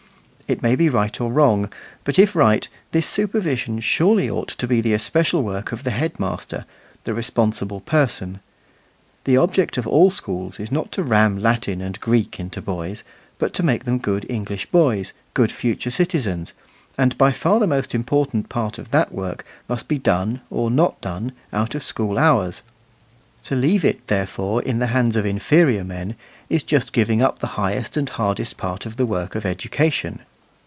It may be right or wrong; but if right, this supervision surely ought to be the especial work of the head master, the responsible person. The object of all schools is not to ram Latin and Greek into boys, but to make them good English boys, good future citizens; and by far the most important part of that work must be done, or not done, out of school hours. To leave it, therefore, in the hands of inferior men, is just giving up the highest and hardest part of the work of education.